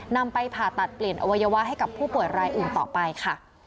นำไปผ่าตัดเปลี่ยนอวัยวะให้กับผู้ป่วยรายอื่นต่อไปค่ะ